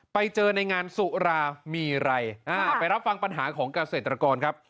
ไปเจอในงานสุรามีอะไรไปรับฟังปัญหาของเกษตรกรครับ